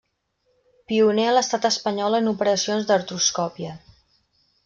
Pioner a l'Estat Espanyol en operacions d'artroscòpia.